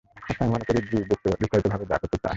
আচ্ছা, আমি মনে করি যী বিস্তারিতভাবে সব করতে চায়।